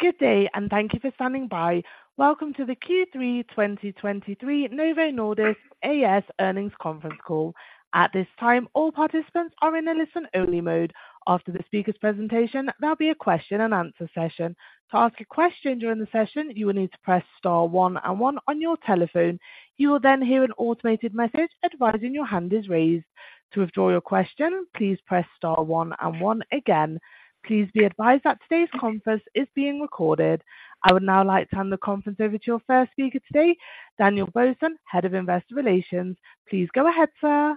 Good day, and thank you for standing by. Welcome to the Q3 2023 Novo Nordisk A/S Earnings Conference Call. At this time, all participants are in a listen-only mode. After the speaker's presentation, there'll be a question-and-answer session. To ask a question during the session, you will need to press star one and one on your telephone. You will then hear an automated message advising your hand is raised. To withdraw your question, please press star one and one again. Please be advised that today's conference is being recorded. I would now like to hand the conference over to your first speaker today, Daniel Bohsen, Head of Investor Relations. Please go ahead, sir.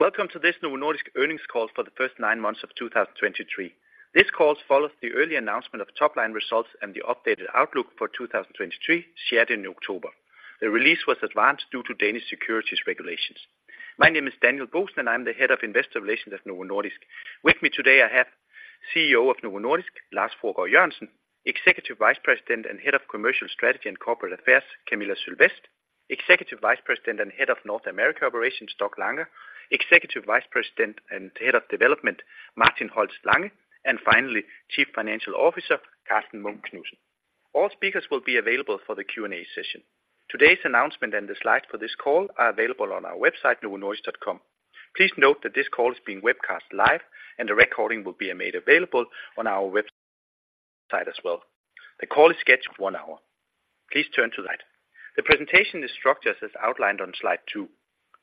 Welcome to this Novo Nordisk Earnings Call for the First Nine Months of 2023. This call follows the early announcement of top-line results and the updated outlook for 2023, shared in October. The release was advanced due to Danish securities regulations. My name is Daniel Bohsen, and I'm the Head of Investor Relations at Novo Nordisk. With me today, I have CEO of Novo Nordisk, Lars Fruergaard Jørgensen, Executive Vice President and Head of Commercial Strategy and Corporate Affairs, Camilla Sylvest, Executive Vice President and Head of North America Operations, Doug Langa, Executive Vice President and Head of Development, Martin Holst Lange, and finally, Chief Financial Officer, Karsten Munk Knudsen. All speakers will be available for the Q&A session. Today's announcement and the slides for this call are available on our website, novonordisk.com. Please note that this call is being webcast live, and a recording will be made available on our website as well. The call is scheduled for 1 hour. Please turn to that. The presentation is structured as outlined on slide two.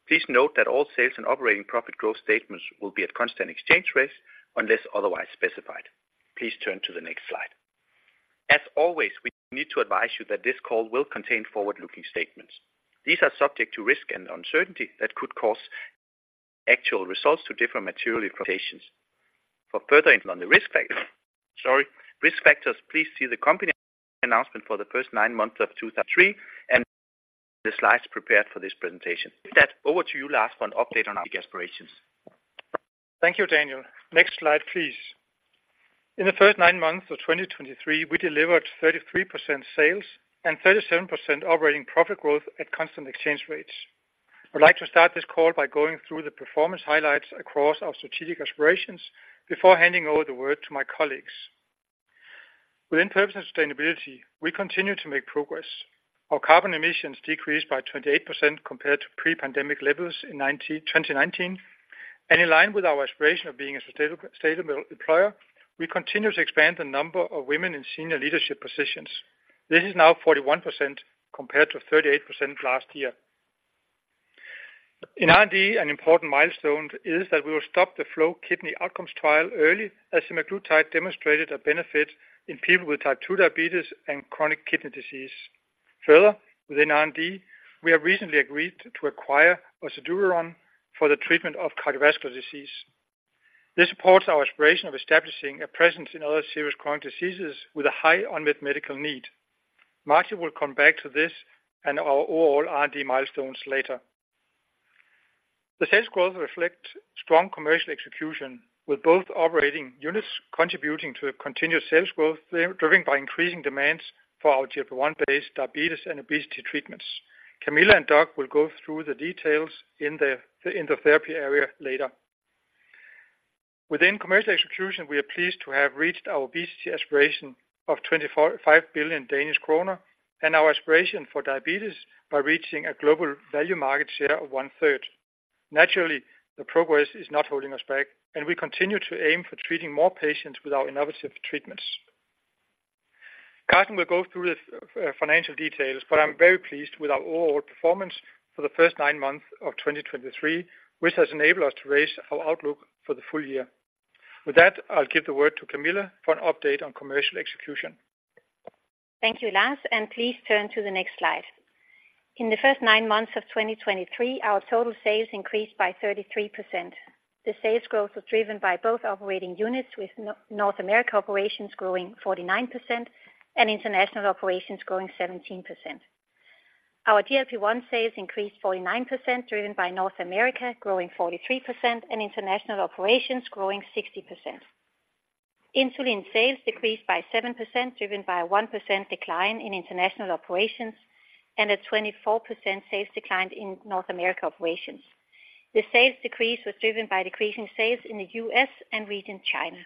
Please note that all sales and operating profit growth statements will be at constant exchange rates unless otherwise specified. Please turn to the next slide. As always, we need to advise you that this call will contain forward-looking statements. These are subject to risk and uncertainty that could cause actual results to differ materially from presentations. For further info on the risk factor, sorry, risk factors, please see the company announcement for the first nine months of 2023 and the slides prepared for this presentation. With that, over to you, Lars, for an update on our aspirations. Thank you, Daniel. Next slide, please. In the first nine months of 2023, we delivered 33% sales and 37% operating profit growth at constant exchange rates. I'd like to start this call by going through the performance highlights across our strategic aspirations before handing over the word to my colleagues. Within purpose and sustainability, we continue to make progress. Our carbon emissions decreased by 28% compared to pre-pandemic levels in 2019, and in line with our aspiration of being a sustainable, sustainable employer, we continue to expand the number of women in senior leadership positions. This is now 41%, compared to 38% last year. In R&D, an important milestone is that we will stop the FLOW kidney outcomes trial early as semaglutide demonstrated a benefit in people with type 2 diabetes and chronic kidney disease. Further, within R&D, we have recently agreed to acquire ocedurenone for the treatment of cardiovascular disease. This supports our aspiration of establishing a presence in other serious chronic diseases with a high unmet medical need. Martin will come back to this and our overall R&D milestones later. The sales growth reflects strong commercial execution, with both operating units contributing to a continued sales growth, driven by increasing demands for our GLP-1-based diabetes and obesity treatments. Camilla and Doug will go through the details in the therapy area later. Within commercial execution, we are pleased to have reached our obesity aspiration of 24.5 billion Danish kroner and our aspiration for diabetes by reaching a global value market share of 1/3. Naturally, the progress is not holding us back, and we continue to aim for treating more patients with our innovative treatments. Karsten will go through the financial details, but I'm very pleased with our overall performance for the first nine months of 2023, which has enabled us to raise our outlook for the full year. With that, I'll give the word to Camilla for an update on commercial execution. Thank you, Lars, and please turn to the next slide. In the first nine months of 2023, our total sales increased by 33%. The sales growth was driven by both operating units, with North America operations growing 49% and international operations growing 17%. Our GLP-1 sales increased 49%, driven by North America, growing 43%, and international operations growing 60%. Insulin sales decreased by 7%, driven by a 1% decline in international operations and a 24% sales decline in North America operations. The sales decrease was driven by decreasing sales in the U.S. and region China.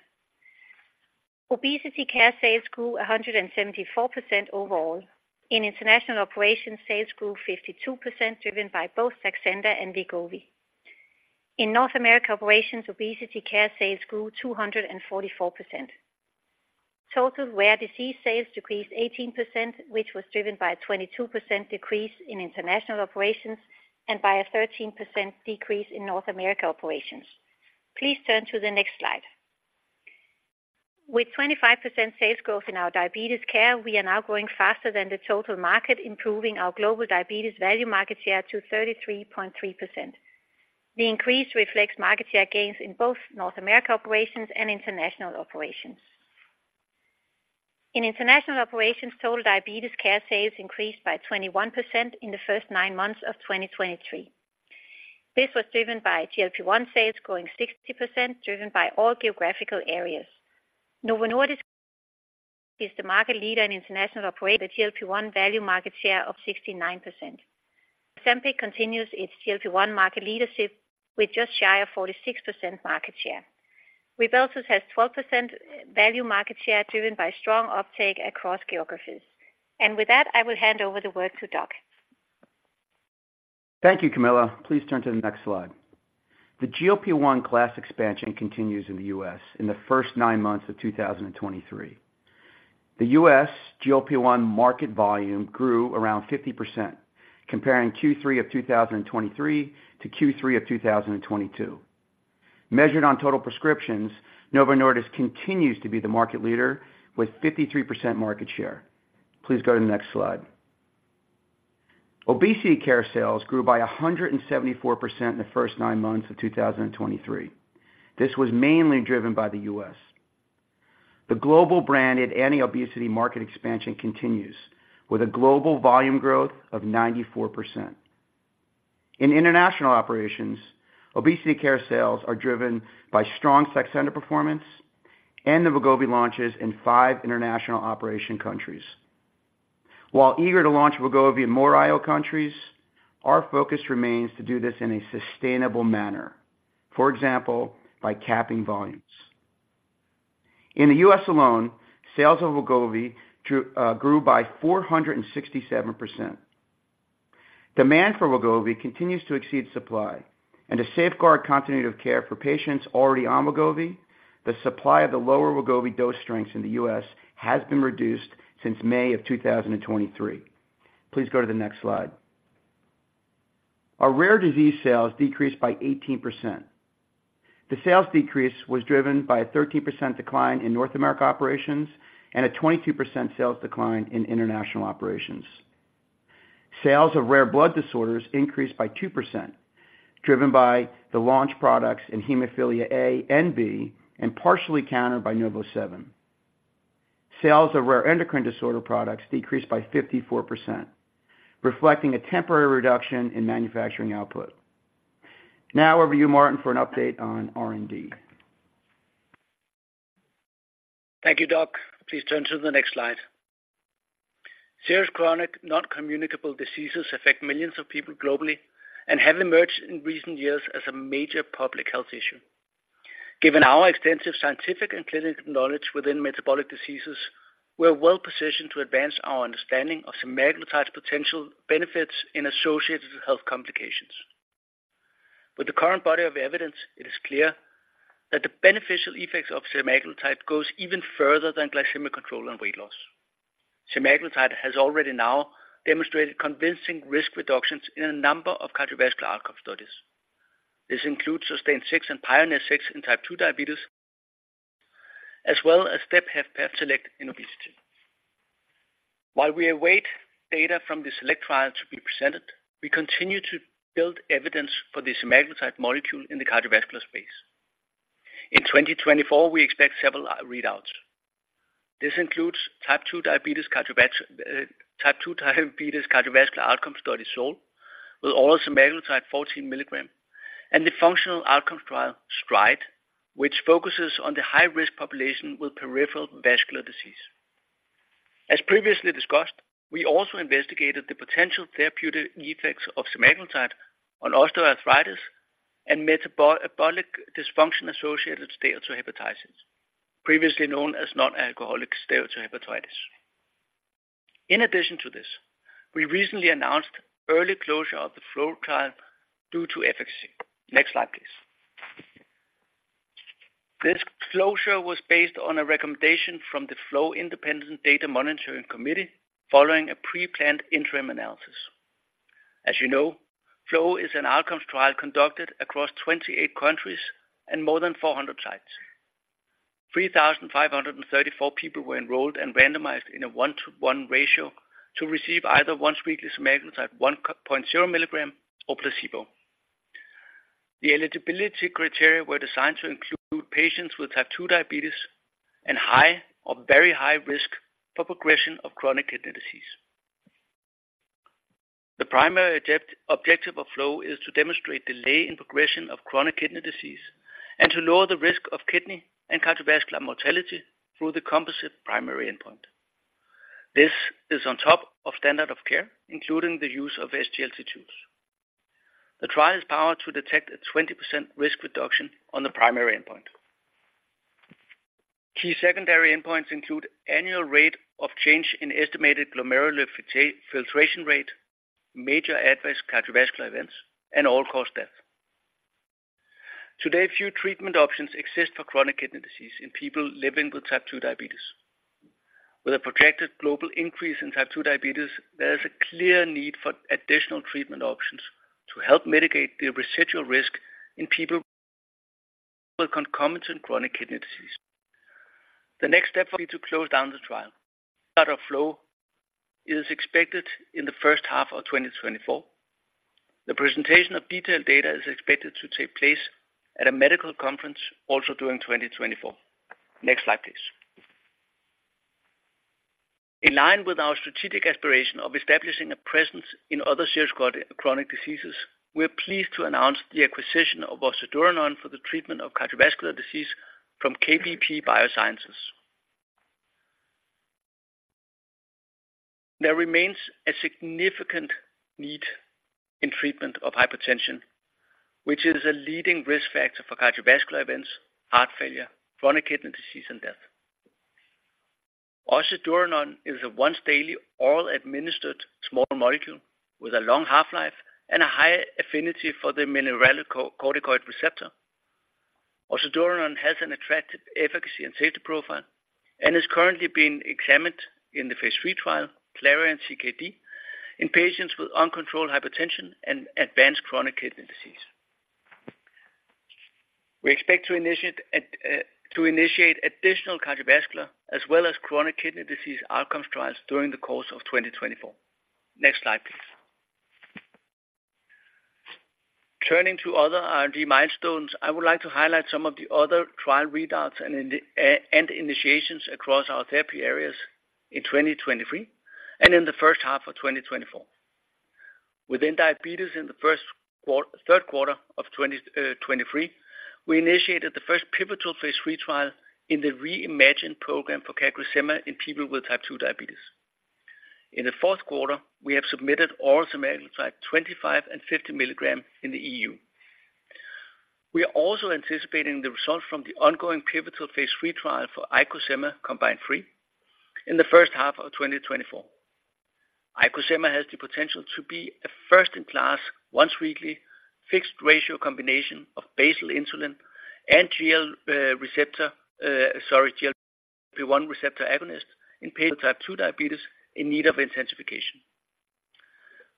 Obesity care sales grew 174% overall. In international operations, sales grew 52%, driven by both Saxenda and Wegovy. In North America operations, obesity care sales grew 244%. Total rare disease sales decreased 18%, which was driven by a 22% decrease in international operations and by a 13% decrease in North America operations. Please turn to the next slide. With 25% sales growth in our diabetes care, we are now growing faster than the total market, improving our global diabetes value market share to 33.3%. The increase reflects market share gains in both North America operations and international operations. In international operations, total diabetes care sales increased by 21% in the first nine months of 2023. This was driven by GLP-1 sales growing 60%, driven by all geographical areas. Novo Nordisk is the market leader in international operations, the GLP-1 value market share of 69%. Ozempic continues its GLP-1 market leadership with just shy of 46% market share. Rybelsus has 12% value market share, driven by strong uptake across geographies. With that, I will hand over the work to Doug. Thank you, Camilla. Please turn to the next slide. The GLP-1 class expansion continues in the US in the first nine months of 2023. The US GLP-1 market volume grew around 50%, comparing Q3 of 2023 to Q3 of 2022. Measured on total prescriptions, Novo Nordisk continues to be the market leader with 53% market share. Please go to the next slide. Obesity care sales grew by 174% in the first nine months of 2023. This was mainly driven by the US. The global branded anti-obesity market expansion continues, with a global volume growth of 94%. In international operations, obesity care sales are driven by strong Saxenda performance and the Wegovy launches in five international operation countries. While eager to launch Wegovy in more IO countries, our focus remains to do this in a sustainable manner, for example, by capping volumes. In the U.S. alone, sales of Wegovy grew by 467%. Demand for Wegovy continues to exceed supply, and to safeguard continuity of care for patients already on Wegovy, the supply of the lower Wegovy dose strengths in the U.S. has been reduced since May 2023. Please go to the next slide. Our rare disease sales decreased by 18%. The sales decrease was driven by a 13% decline in North America Operations and a 22% sales decline in International Operations. Sales of rare blood disorders increased by 2%, driven by the launch products in hemophilia A and B, and partially countered by NovoSeven. Sales of rare endocrine disorder products decreased by 54%, reflecting a temporary reduction in manufacturing output. Now over to you, Martin, for an update on R&D. Thank you, Doug. Please turn to the next slide. Serious chronic non-communicable diseases affect millions of people globally and have emerged in recent years as a major public health issue. Given our extensive scientific and clinical knowledge within metabolic diseases, we are well positioned to advance our understanding of semaglutide's potential benefits in associated health complications. With the current body of evidence, it is clear that the beneficial effects of semaglutide goes even further than glycemic control and weight loss. Semaglutide has already now demonstrated convincing risk reductions in a number of cardiovascular outcome studies. This includes SUSTAIN 6 and PIONEER 6 in type 2 diabetes, as well as STEP HFpEF, SELECT in obesity. While we await data from the SELECT trial to be presented, we continue to build evidence for the semaglutide molecule in the cardiovascular space. In 2024, we expect several readouts. This includes type two diabetes cardiovascular outcome study, SOUL, with oral semaglutide 14 mg, and the functional outcomes trial, STRIDE, which focuses on the high-risk population with peripheral vascular disease. As previously discussed, we also investigated the potential therapeutic effects of semaglutide on osteoarthritis and metabolic dysfunction-associated steatohepatitis, previously known as non-alcoholic steatohepatitis. In addition to this, we recently announced early closure of the FLOW trial due to efficacy. Next slide, please. This closure was based on a recommendation from the FLOW Independent Data Monitoring Committee following a pre-planned interim analysis. As you know, FLOW is an outcomes trial conducted across 28 countries and more than 400 sites. 3,534 people were enrolled and randomized in a 1:1 ratio to receive either once-weekly semaglutide 1.0 mg or placebo. The eligibility criteria were designed to include patients with type 2 diabetes and high or very high risk for progression of chronic kidney disease. The primary objective of FLOW is to demonstrate delay in progression of chronic kidney disease and to lower the risk of kidney and cardiovascular mortality through the composite primary endpoint. This is on top of standard of care, including the use of SGLT2. The trial is powered to detect a 20% risk reduction on the primary endpoint. Key secondary endpoints include annual rate of change in estimated glomerular filtration rate, major adverse cardiovascular events, and all-cause death. Today, few treatment options exist for chronic kidney disease in people living with type 2 diabetes. With a projected global increase in type 2 diabetes, there is a clear need for additional treatment options to help mitigate the residual risk in people with concomitant chronic kidney disease. The next step will be to close down the trial. Data flow is expected in the first half of 2024. The presentation of detailed data is expected to take place at a medical conference also during 2024. Next slide, please. In line with our strategic aspiration of establishing a presence in other serious chronic, chronic diseases, we are pleased to announce the acquisition of ocedurenone for the treatment of cardiovascular disease from KBP Biosciences. There remains a significant need in treatment of hypertension, which is a leading risk factor for cardiovascular events, heart failure, chronic kidney disease, and death. ocedurenone is a once daily, orally administered small molecule with a long half-life and a high affinity for the mineralocorticoid receptor. ocedurenone has an attractive efficacy and safety profile, and is currently being examined in the phase III trial, CLARION-CKD, in patients with uncontrolled hypertension and advanced chronic kidney disease. We expect to initiate additional cardiovascular as well as chronic kidney disease outcomes trials during the course of 2024. Next slide, please. Turning to other R&D milestones, I would like to highlight some of the other trial readouts and in- and initiations across our therapy areas in 2023, and in the first half of 2024. Within diabetes in the third quarter of 2023, we initiated the first pivotal phase III trial in the REIMAGINE program for CagriSema in people with type 2 diabetes. In the fourth quarter, we have submitted oral semaglutide to 25 mg and 50 mg in the EU. We are also anticipating the results from the ongoing pivotal phase III trial for IcoSema COMBINE 3 in the first half of 2024. IcoSema has the potential to be a first-in-class, once-weekly, fixed-ratio combination of basal insulin and GLP-1 receptor agonist in patients with type 2 diabetes in need of intensification.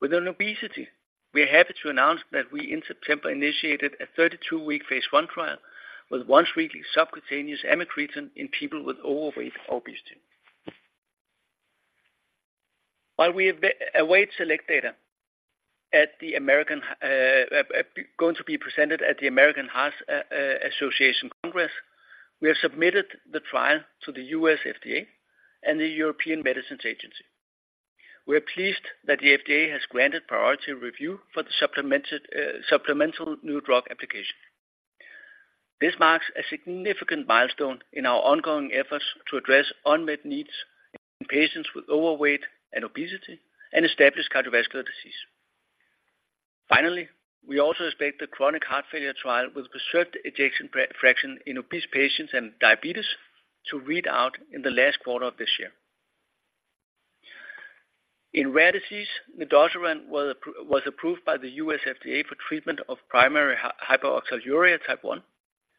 Within obesity, we are happy to announce that we in September initiated a 32-week phase I trial with once-weekly subcutaneous amycretin in people with overweight obesity. While we await SELECT data at the American, going to be presented at the American Heart Association Congress, we have submitted the trial to the U.S. FDA and the European Medicines Agency. We are pleased that the FDA has granted priority review for the supplemental new drug application. This marks a significant milestone in our ongoing efforts to address unmet needs in patients with overweight and obesity and established cardiovascular disease. Finally, we also expect the chronic heart failure trial with preserved ejection fraction in obese patients and diabetes to read out in the last quarter of this year. In rare disease, Nedosiran was approved by the U.S. FDA for treatment of primary hyperoxaluria type one.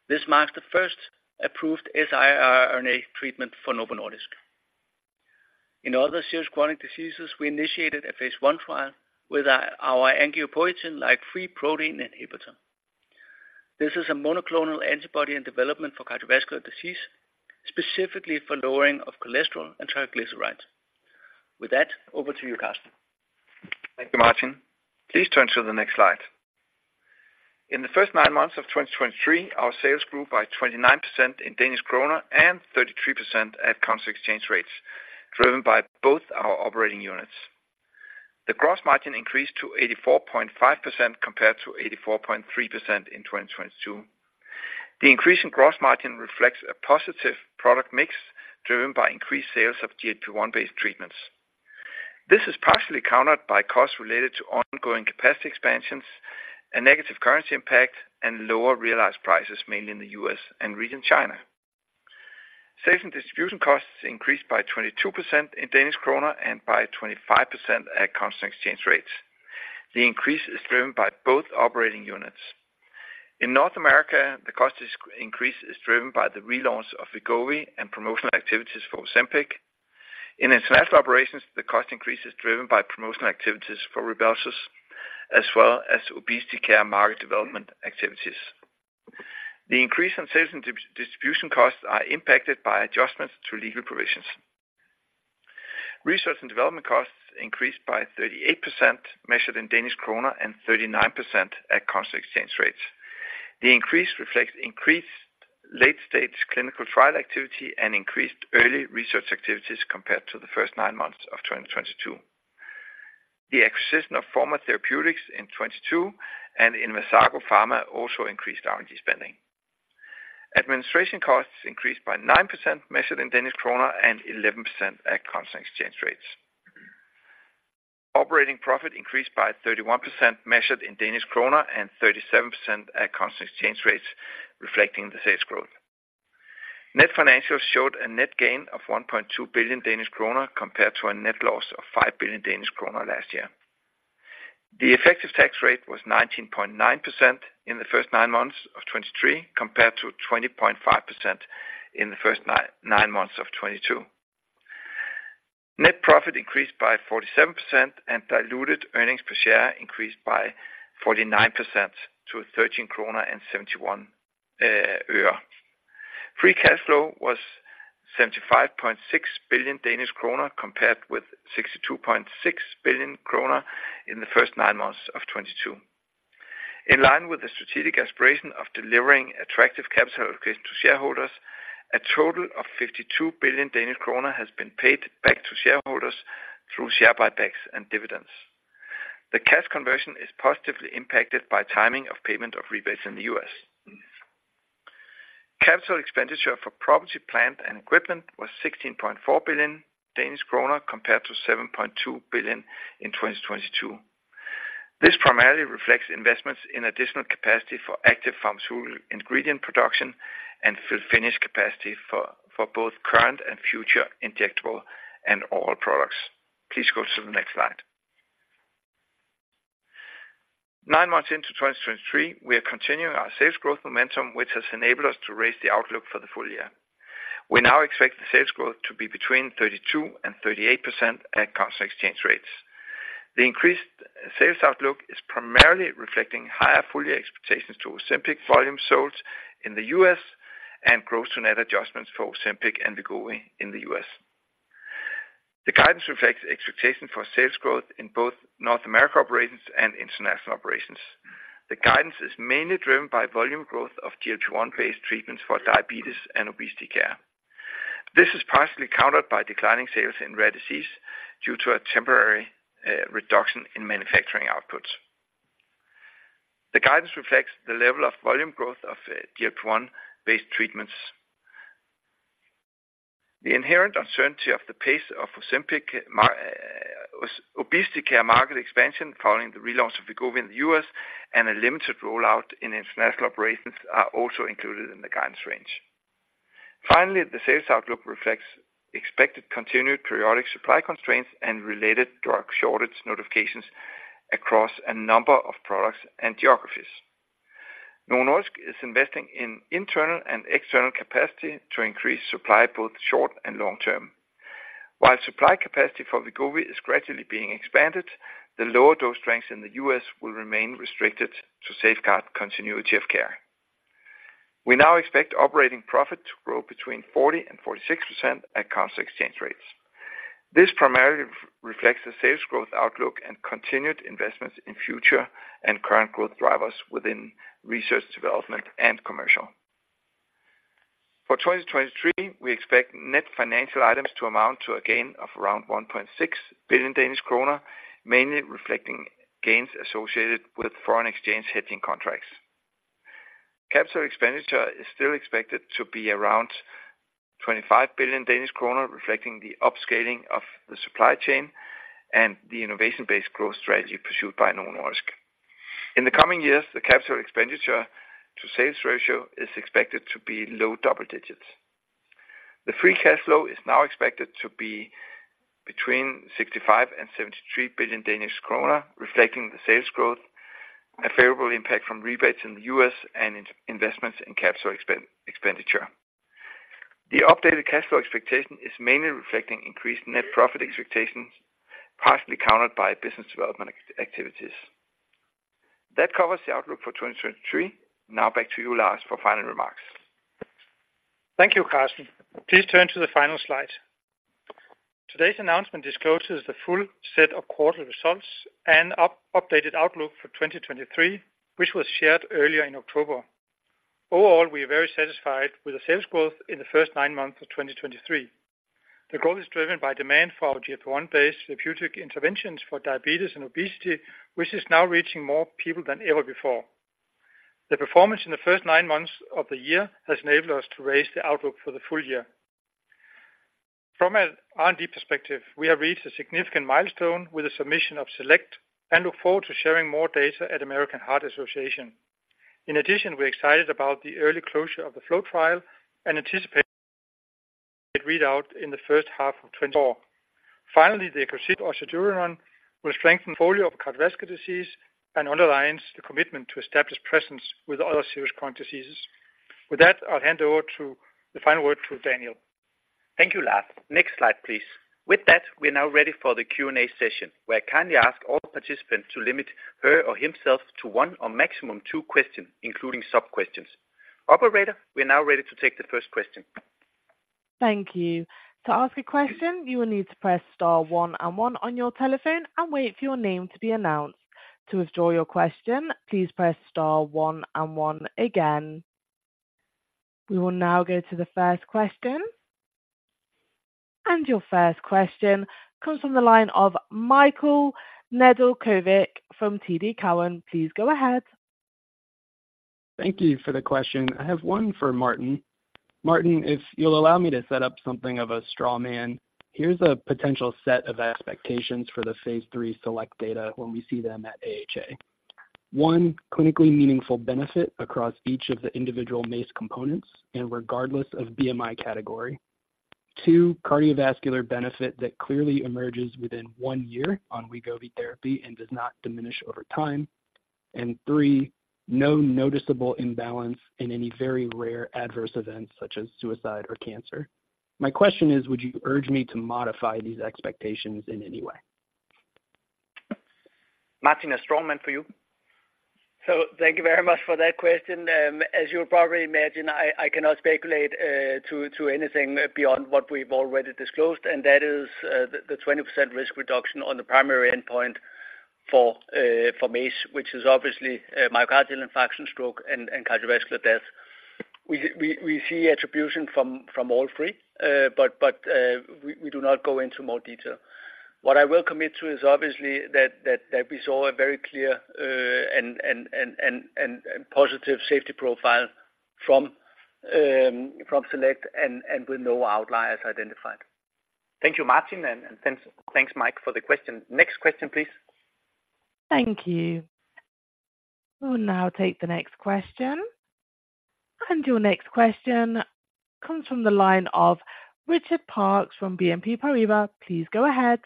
This marks the first approved siRNA treatment for Novo Nordisk. In other serious chronic diseases, we initiated a phase I trial with our angiopoietin-like 3 protein inhibitor. This is a monoclonal antibody in development for cardiovascular disease, specifically for lowering of cholesterol and triglycerides. With that, over to you, Karsten. Thank you, Martin. Please turn to the next slide. In the first nine months of 2023, our sales grew by 29% in DKK and 33% at constant exchange rates, driven by both our operating units. The gross margin increased to 84.5%, compared to 84.3% in 2022. The increase in gross margin reflects a positive product mix, driven by increased sales of GLP-1 based treatments. This is partially countered by costs related to ongoing capacity expansions, a negative currency impact, and lower realized prices, mainly in the U.S. and China. Sales and distribution costs increased by 22% in DKK and by 25% at constant exchange rates. The increase is driven by both operating units. In North America, the cost increase is driven by the relaunch of Wegovy and promotional activities for Ozempic. In international operations, the cost increase is driven by promotional activities for Rybelsus, as well as obesity care market development activities. The increase in sales and distribution costs are impacted by adjustments to legal provisions. Research and development costs increased by 38%, measured in Danish kroner, and 39% at constant exchange rates. The increase reflects increased late-stage clinical trial activity and increased early research activities compared to the first nine months of 2022. The acquisition of Forma Therapeutics in 2022 and Inversago Pharma also increased R&D spending. Administration costs increased by 9%, measured in Danish kroner, and 11% at constant exchange rates. Operating profit increased by 31%, measured in Danish kroner, and 37% at constant exchange rates, reflecting the sales growth. Net financials showed a net gain of 1.2 billion Danish kroner, compared to a net loss of 5 billion Danish kroner last year. The effective tax rate was 19.9% in the first nine months of 2023, compared to 20.5% in the first nine months of 2022. Net profit increased by 47%, and diluted earnings per share increased by 49% to 13.71 krone. Free cash flow was 75.6 billion Danish krone, compared with 62.6 billion krone in the first nine months of 2022. In line with the strategic aspiration of delivering attractive capital allocation to shareholders, a total of 52 billion Danish kroner has been paid back to shareholders through share buybacks and dividends. The cash conversion is positively impacted by timing of payment of rebates in the US. Capital expenditure for property, plant, and equipment was 16.4 billion Danish kroner, compared to 7.2 billion in 2022. This primarily reflects investments in additional capacity for active pharmaceutical ingredient production and finished capacity for both current and future injectable and oral products. Please go to the next slide. Nine months into 2023, we are continuing our sales growth momentum, which has enabled us to raise the outlook for the full year. We now expect the sales growth to be between 32% and 38% at constant exchange rates. The increased sales outlook is primarily reflecting higher full year expectations to Ozempic volume sold in the U.S. and gross-to-net adjustments for Ozempic and Wegovy in the U.S. The guidance reflects expectation for sales growth in both North America operations and international operations. The guidance is mainly driven by volume growth of GLP-1 based treatments for diabetes and obesity care. This is partially countered by declining sales in rare disease due to a temporary reduction in manufacturing outputs. The guidance reflects the level of volume growth of GLP-1 based treatments. The inherent uncertainty of the pace of Ozempic, obesity care market expansion, following the relaunch of the Wegovy in the U.S. and a limited rollout in international operations, are also included in the guidance range. Finally, the sales outlook reflects expected continued periodic supply constraints and related drug shortage notifications across a number of products and geographies. Novo Nordisk is investing in internal and external capacity to increase supply, both short and long term. While supply capacity for Wegovy is gradually being expanded, the lower dose strengths in the U.S. will remain restricted to safeguard continuity of care. We now expect operating profit to grow between 40%-46% at constant exchange rates. This primarily reflects the sales growth outlook and continued investments in future and current growth drivers within research, development, and commercial. For 2023, we expect net financial items to amount to a gain of around 1.6 billion Danish kroner, mainly reflecting gains associated with foreign exchange hedging contracts. Capital expenditure is still expected to be around 25 billion Danish kroner, reflecting the upscaling of the supply chain and the innovation-based growth strategy pursued by Novo Nordisk. In the coming years, the capital expenditure to sales ratio is expected to be low double digits. The free cash flow is now expected to be between 65 billion and 73 billion Danish kroner, reflecting the sales growth, a favorable impact from rebates in the US and in investments in capital expenditure. The updated cash flow expectation is mainly reflecting increased net profit expectations, partially countered by business development activities. That covers the outlook for 2023. Now back to you, Lars, for final remarks. Thank you, Karsten. Please turn to the final slide. Today's announcement discloses the full set of quarterly results and updated outlook for 2023, which was shared earlier in October. Overall, we are very satisfied with the sales growth in the first nine months of 2023. The growth is driven by demand for our GLP-1 based therapeutic interventions for diabetes and obesity, which is now reaching more people than ever before. The performance in the first nine months of the year has enabled us to raise the outlook for the full year. From an R&D perspective, we have reached a significant milestone with the submission of SELECT and look forward to sharing more data at American Heart Association. In addition, we're excited about the early closure of the FLOW trial and anticipate it read out in the first half of 2024. Finally, the acquisition of ocedurenone will strengthen portfolio of cardiovascular disease and underlines the commitment to establish presence with other serious chronic diseases. With that, I'll hand over to the final word to Daniel. Thank you, Lars. Next slide, please. With that, we are now ready for the Q&A session, where I kindly ask all participants to limit her or himself to one or maximum two questions, including sub-questions. Operator, we are now ready to take the first question. Thank you. To ask a question, you will need to press star one and one on your telephone and wait for your name to be announced. To withdraw your question, please press star one and one again. We will now go to the first question. Your first question comes from the line of Michael Nedelcovych from TD Cowen. Please go ahead. Thank you for the question. I have one for Martin. Martin, if you'll allow me to set up something of a straw man, here's a potential set of expectations for the phase III SELECT data when we see them at AHA. one, clinically meaningful benefit across each of the individual MACE components and regardless of BMI category. Two, cardiovascular benefit that clearly emerges within one year on Wegovy therapy and does not diminish over time. And three, no noticeable imbalance in any very rare adverse events such as suicide or cancer. My question is: Would you urge me to modify these expectation in any way? Martin, a straw man for you. So thank you very much for that question. As you'll probably imagine, I cannot speculate to anything beyond what we've already disclosed, and that is the 20% risk reduction on the primary endpoint for MACE, which is obviously myocardial infarction, stroke, and cardiovascular death. We see attribution from all three, but we do not go into more detail. What I will commit to is obviously that we saw a very clear and positive safety profile from SELECT and with no outliers identified. Thank you, Martin, and thanks, Mike, for the question. Next question, please. Thank you. We'll now take the next question. Your next question comes from the line of Richard Parkes from BNP Paribas. Please go ahead.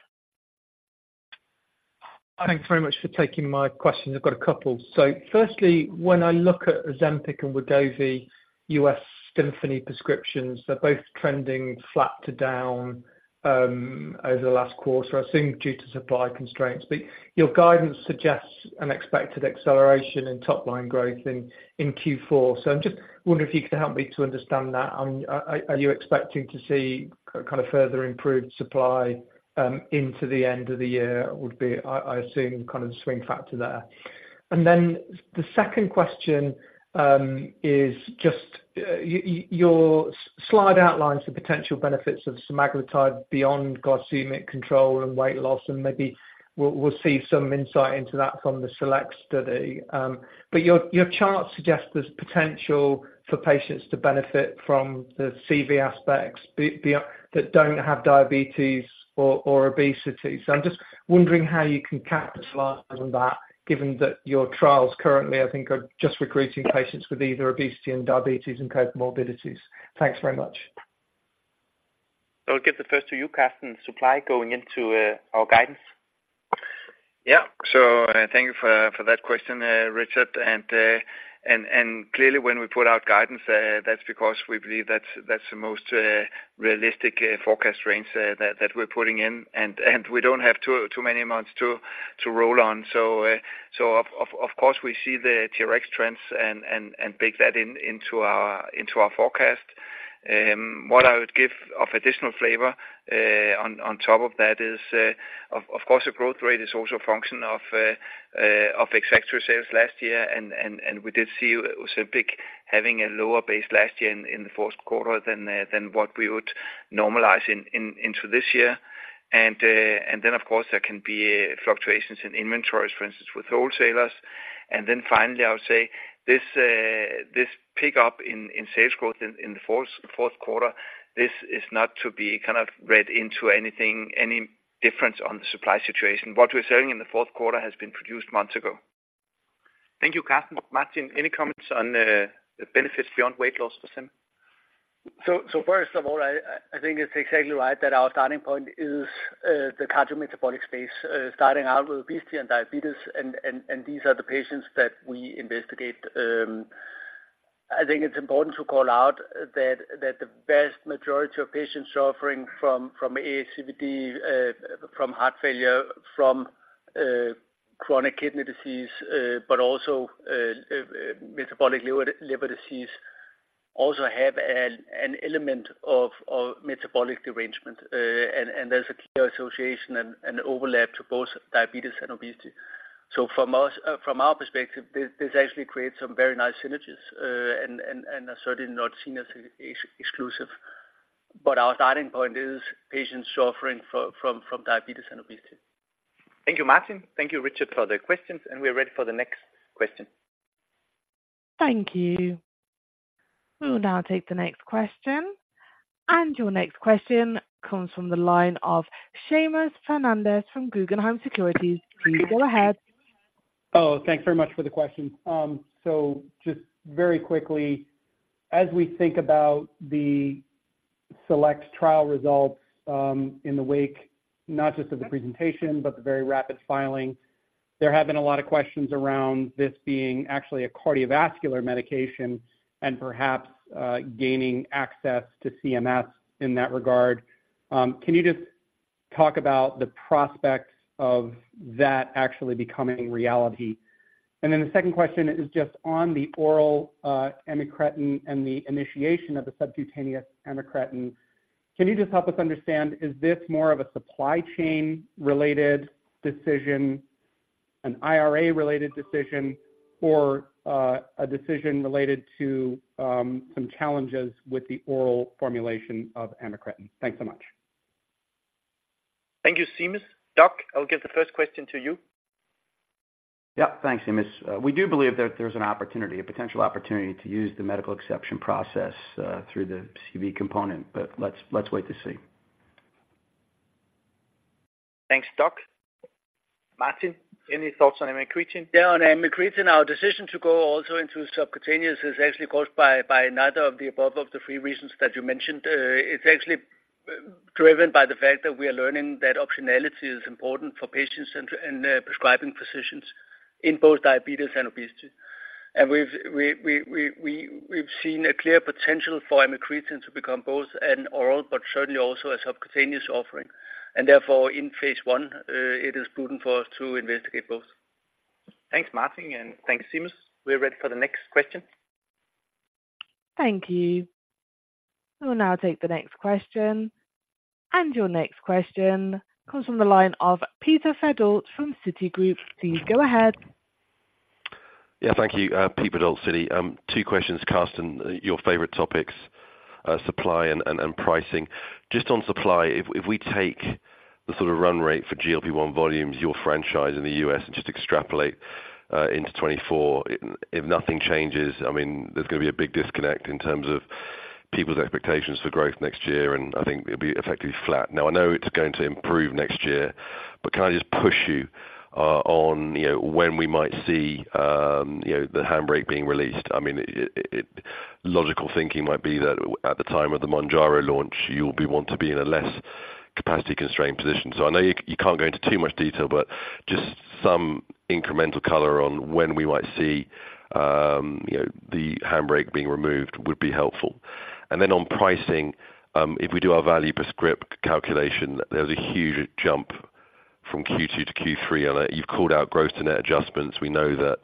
Thanks very much for taking my question. I've got a couple. So firstly, when I look at Ozempic and Wegovy, U.S. Symphony prescriptions, they're both trending flat to down over the last quarter, I think due to supply constraints. But your guidance suggests an expected acceleration in top line growth in Q4. So I'm just wondering if you could help me to understand that. Are you expecting to see kind of further improved supply into the end of the year would be, I assume, kind of the swing factor there? And then the second question is just your slide outlines the potential benefits of semaglutide beyond glycemic control and weight loss, and maybe we'll see some insight into that from the SELECT study. But your chart suggests there's potential for patients to benefit from the CV aspects that don't have diabetes or obesity. So I'm just wondering how you can capitalize on that, given that your trials currently, I think, are just recruiting patients with either obesity and diabetes and comorbidities. Thanks very much. I'll give the first to you, Karsten. Supply going into our guidance. Yeah. So thank you for that question, Richard. And clearly, when we put out guidance, that's because we believe that's the most realistic forecast range that we're putting in, and we don't have too many months to roll on. So, of course, we see the TRx trends and bake that into our forecast. What I would give of additional flavor on top of that is, of course, the growth rate is also a function of executive sales last year, and we did see Ozempic having a lower base last year in the fourth quarter than what we would normalize into this year. And then, of course, there can be fluctuations in inventories, for instance, with wholesalers. And then finally, I would say this pickup in sales growth in the fourth quarter; this is not to be kind of read into anything, any difference on the supply situation. What we're selling in the fourth quarter has been produced months ago. Thank you, Karsten. Martin, any comments on the benefits beyond weight loss for semaglutide? So first of all, I think it's exactly right that our starting point is the cardiometabolic space, starting out with obesity and diabetes, and these are the patients that we investigate. I think it's important to call out that the vast majority of patients suffering from ASCVD, from heart failure, from chronic kidney disease, but also metabolic liver disease, also have an element of metabolic derangement. And there's a clear association and overlap to both diabetes and obesity. So from our perspective, this actually creates some very nice synergies, and are certainly not seen as exclusive. But our starting point is patients suffering from diabetes and obesity. Thank you, Martin. Thank you, Richard, for the questions, and we are ready for the next question. Thank you. We will now take the next question. Your next question comes from the line of Seamus Fernandez from Guggenheim Securities. Please go ahead. Oh, thanks very much for the question. So just very quickly, as we think about the SELECT trial results, in the wake, not just of the presentation, but the very rapid filing, there have been a lot of questions around this being actually a cardiovascular medication and perhaps, gaining access to CMS in that regard. Can you just talk about the prospects of that actually becoming reality? And then the second question is just on the oral, amycretin and the initiation of the subcutaneous amycretin, can you just help us understand, is this more of a supply chain-related decision, an IRA-related decision, or, a decision related to, some challenges with the oral formulation of amycretin? Thanks so much. Thank you, Seamus. Doug, I'll give the first question to you. Yeah, thanks, Seamus. We do believe that there's an opportunity, a potential opportunity, to use the medical exception process, through the CV component, but let's, let's wait to see. Thanks, Doug. Martin, any thoughts on amycretin? Yeah, on amycretin, our decision to go also into subcutaneous is actually caused by another of the above, of the three reasons that you mentioned. It's actually driven by the fact that we are learning that optionality is important for patients and prescribing physicians in both diabetes and obesity. And we've seen a clear potential for amycretin to become both an oral but certainly also a subcutaneous offering. And therefore, in phase I, it is prudent for us to investigate both. Thanks, Martin, and thanks, Seamus. We are ready for the next question.... Thank you. We'll now take the next question. And your next question comes from the line of Peter Verdult from Citigroup. Please go ahead. Yeah, thank you. Peter Verdult, Citi. Two questions, Karsten. Your favorite topics, supply and pricing. Just on supply, if we take the sort of run rate for GLP-1 volumes, your franchise in the US, and just extrapolate into 2024, if nothing changes, I mean, there's going to be a big disconnect in terms of people's expectations for growth next year, and I think it'll be effectively flat. Now, I know it's going to improve next year, but can I just push you on, you know, when we might see, you know, the handbrake being released? I mean, logical thinking might be that at the time of the Mounjaro launch, you'll want to be in a less capacity constrained position. So I know you, you can't go into too much detail, but just some incremental color on when we might see, you know, the handbrake being removed would be helpful. And then on pricing, if we do our value per script calculation, there's a huge jump from Q2-Q3, and, you've called out gross to net adjustments. We know that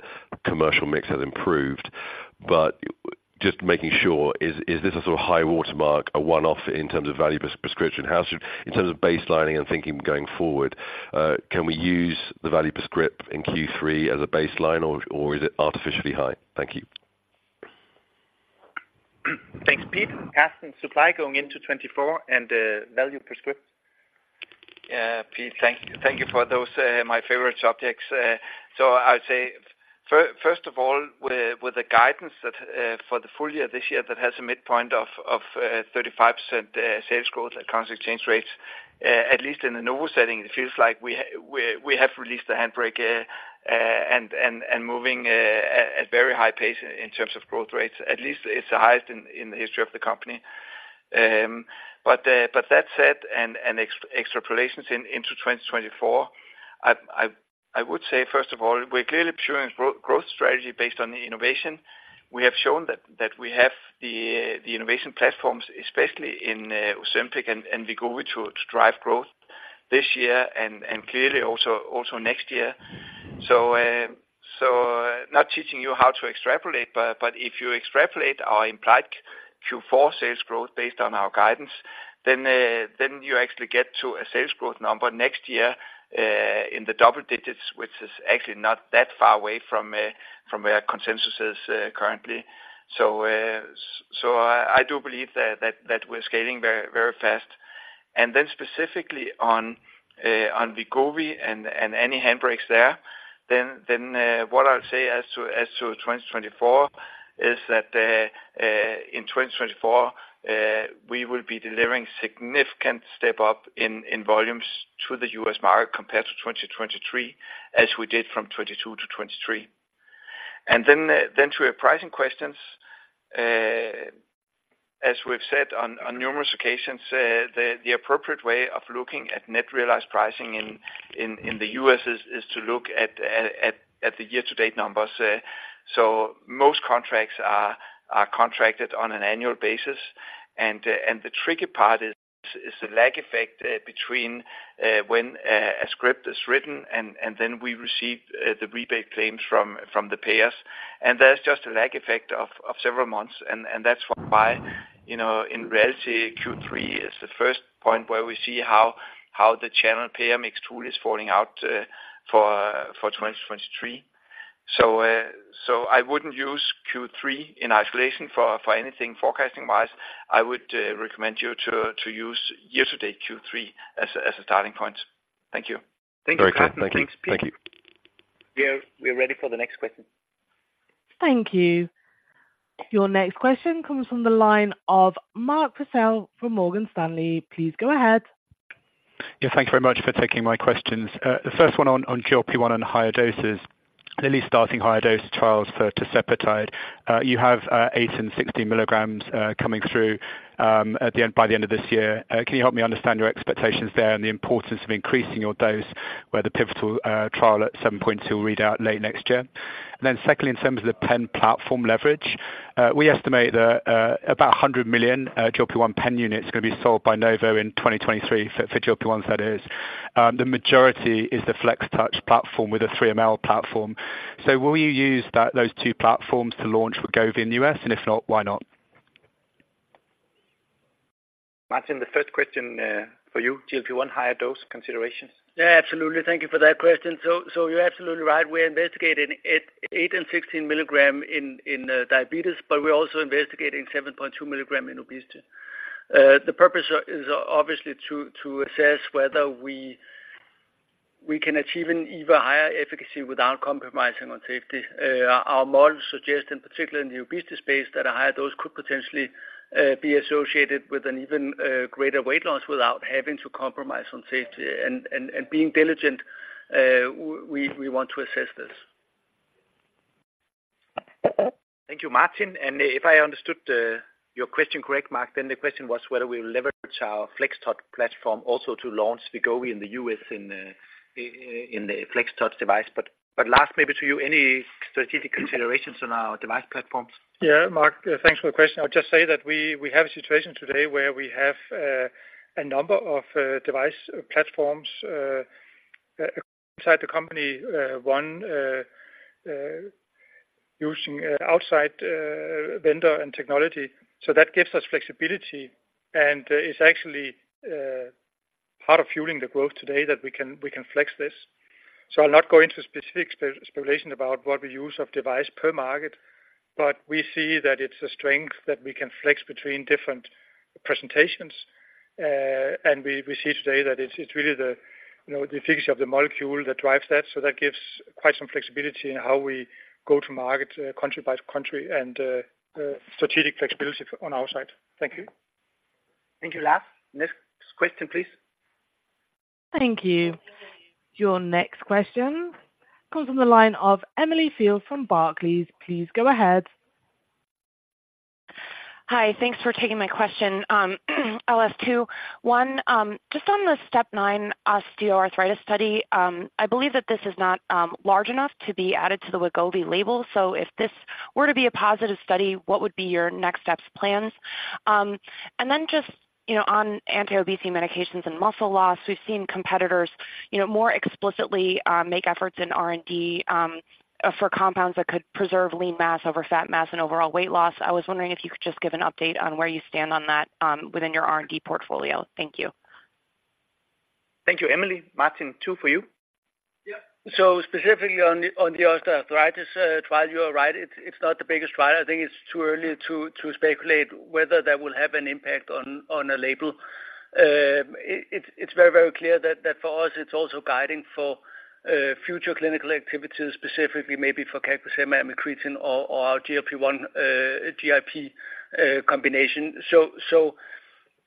commercial mix has improved, but just making sure, is, is this a sort of high watermark, a one-off in terms of value per prescription? How should, in terms of baselining and thinking going forward, can we use the value per script in Q3 as a baseline, or, or is it artificially high? Thank you. Thanks, Pete. Karsten, supply going into 2024 and value per script. Pete, thank you. Thank you for those, my favorite subjects. So I would say first of all, with the guidance that for the full year this year, that has a midpoint of 35% sales growth at constant exchange rates, at least in the Novo setting, it feels like we have released the handbrake and moving at very high pace in terms of growth rates. At least it's the highest in the history of the company. But that said, and extrapolations into 2024, I would say, first of all, we're clearly pursuing a growth strategy based on innovation. We have shown that we have the innovation platforms, especially in Ozempic and Wegovy, to drive growth this year and clearly also next year. So, not teaching you how to extrapolate, but if you extrapolate our implied Q4 sales growth based on our guidance, then you actually get to a sales growth number next year in the double digits, which is actually not that far away from where consensus is currently. So, I do believe that we're scaling very, very fast. Then specifically on Wegovy and any handbrakes there, what I'll say as to 2024 is that in 2024 we will be delivering significant step up in volumes to the U.S. market compared to 2023, as we did from 2022-2023. Then to your pricing questions, as we've said on numerous occasions, the appropriate way of looking at net realized pricing in the U.S. is to look at the year-to-date numbers. So most contracts are contracted on an annual basis. And the tricky part is the lag effect between when a script is written and then we receive the rebate claims from the payers. There's just a lag effect of several months, and that's why, you know, in reality, Q3 is the first point where we see how the channel payer mix tool is falling out for 2023. So, I wouldn't use Q3 in isolation for anything forecasting-wise. I would recommend you to use year-to-date Q3 as a starting point. Thank you. Thank you. Thank you. We're ready for the next question. Thank you. Your next question comes from the line of Mark Purcell from Morgan Stanley. Please go ahead. Yeah, thank you very much for taking my questions. The first one on GLP-1 and higher doses. Early starting higher dose trials for tirzepatide. You have 8 mg and 16 mg coming through by the end of this year. Can you help me understand your expectations there and the importance of increasing your dose, where the pivotal trial at 7.2 read out late next year? And then secondly, in terms of the pen platform leverage, we estimate that about 100 million GLP-1 pen units are going to be sold by Novo in 2023, for GLP-1, that is. The majority is the FlexTouch platform with a 3 mL platform. So will you use that, those two platforms to launch Wegovy in the U.S.? And if not, why not? Martin, the first question, for you, GLP-1 higher dose considerations. Yeah, absolutely. Thank you for that question. So, you're absolutely right. We're investigating 8 mg and 16 mg in diabetes, but we're also investigating 7.2 mg in obesity. The purpose is obviously to assess whether we can achieve an even higher efficacy without compromising on safety. Our models suggest, in particular in the obesity space, that a higher dose could potentially be associated with an even greater weight loss without having to compromise on safety. And being diligent, we want to assess this. Thank you, Martin. And if I understood your question correct, Mark, then the question was whether we will leverage our FlexTouch platform also to launch Wegovy in the U.S. in the FlexTouch device. But Lars, maybe to you, any strategic considerations on our device platforms? Yeah, Mark, thanks for the question. I'll just say that we, we have a situation today where we have, a number of, device platforms,... inside the company, using outside vendor and technology. So that gives us flexibility, and it's actually part of fueling the growth today that we can, we can flex this. So I'll not go into specific specification about what we use of device per market, but we see that it's a strength that we can flex between different presentations. And we see today that it's really the, you know, the efficacy of the molecule that drives that, so that gives quite some flexibility in how we go to market, country by country and strategic flexibility on our side. Thank you. Thank you. Last next question, please. Thank you. Your next question comes from the line of Emily Field from Barclays. Please go ahead. Hi, thanks for taking my question. I'll ask two. One, just on the STEP 9 osteoarthritis study, I believe that this is not large enough to be added to the Wegovy label. So if this were to be a positive study, what would be your next steps plans? And then just, you know, on anti-obesity medications and muscle loss, we've seen competitors, you know, more explicitly make efforts in R&D, for compounds that could preserve lean mass over fat mass and overall weight loss. I was wondering if you could just give an update on where you stand on that, within your R&D portfolio. Thank you. Thank you, Emily. Martin, two for you. Yeah. So specifically on the osteoarthritis trial, you are right. It’s not the biggest trial. I think it’s too early to speculate whether that will have an impact on a label. It’s very clear that for us, it’s also guiding for future clinical activities, specifically maybe for CagriSema, amycretin, or our GLP-1 GIP combination. So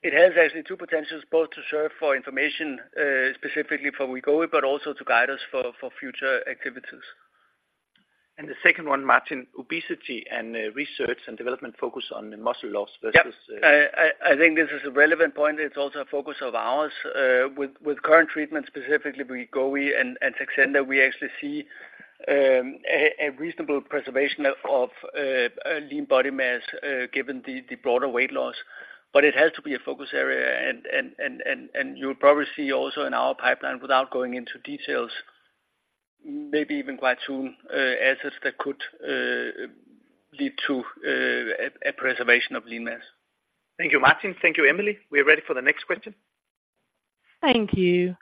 it has actually two potentials, both to serve for information specifically for Wegovy, but also to guide us for future activities. The second one, Martin, obesity and research and development focus on muscle loss versus- Yeah. I think this is a relevant point. It's also a focus of ours. With current treatments, specifically Wegovy and Saxenda, we actually see a reasonable preservation of lean body mass, given the broader weight loss. But it has to be a focus area and you'll probably see also in our pipeline, without going into details, maybe even quite soon, assets that could lead to a preservation of lean mass. Thank you, Martin. Thank you, Emily. We are ready for the next question. Thank you.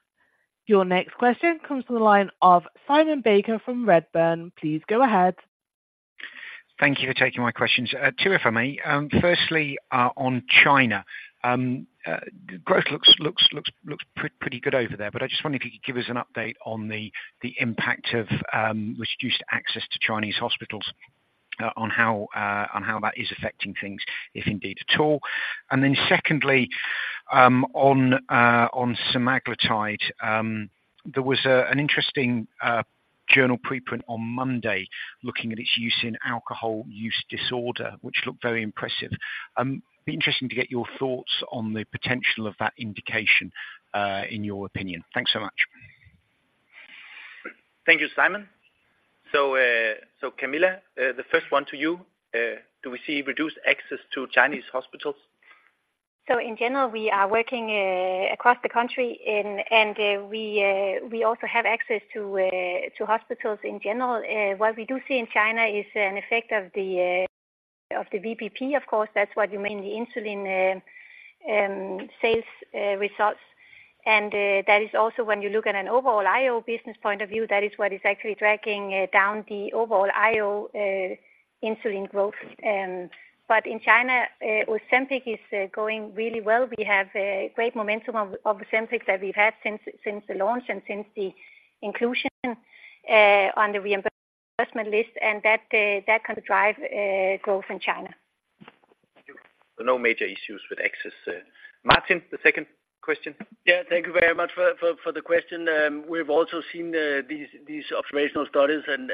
Your next question comes from the line of Simon Baker from Redburn. Please go ahead. Thank you for taking my questions. Two, if I may. Firstly, on China, growth looks pretty good over there, but I just wondered if you could give us an update on the impact of reduced access to Chinese hospitals, on how that is affecting things, if indeed at all. And then secondly, on semaglutide, there was an interesting journal preprint on Monday looking at its use in alcohol use disorder, which looked very impressive. Be interesting to get your thoughts on the potential of that indication, in your opinion. Thanks so much. Thank you, Simon. So, Camilla, the first one to you, do we see reduced access to Chinese hospitals? So in general, we are working across the country and we also have access to hospitals in general. What we do see in China is an effect of the VBP, of course. That's what mainly insulin sales results. And that is also when you look at an overall IO business point of view, that is what is actually dragging down the overall IO insulin growth. But in China, Ozempic is going really well. We have a great momentum of Ozempic that we've had since the launch and since the inclusion on the reimbursement list, and that can drive growth in China. Thank you. So no major issues with access. Martin, the second question? Yeah, thank you very much for the question. We've also seen these observational studies and